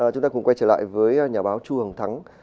chúng ta cùng quay trở lại với nhà báo chu hồng thắng